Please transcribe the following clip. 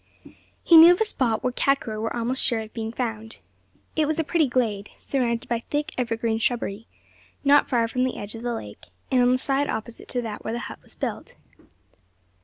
He knew of a spot where kakur were almost sure of being found. It was a pretty glade, surrounded by thick evergreen shrubbery not far from the edge of the lake, and on the side opposite to that where the hut was built.